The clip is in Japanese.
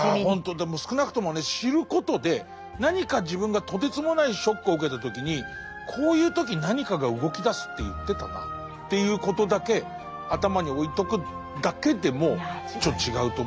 でも少なくともね知ることで何か自分がとてつもないショックを受けた時にこういう時何かが動きだすって言ってたなっていうことだけ頭に置いとくだけでもちょっと違うと思いますからね。